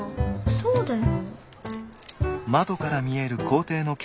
そうだよ。